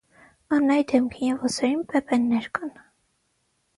Աննայի դեմքին և ուսերին պեպեններ կան։